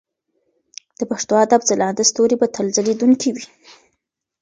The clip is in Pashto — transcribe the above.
د پښتو ادب ځلانده ستوري به تل ځلېدونکي وي.